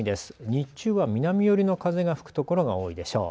日中は南寄りの風が吹く所が多いでしょう。